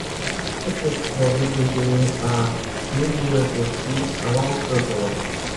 L'écriture est rédigée à plusieurs reprises à l'encre d'or.